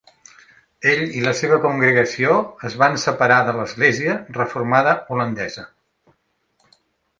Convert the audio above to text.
Ell i la seva congregació es van separar de l'Església Reformada Holandesa.